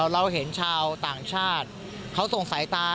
เราเห็นชาวต่างชาติเขาส่งสายตา